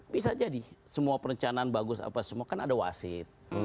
bisa jadi semua perencanaan bagus apa semua kan ada wasit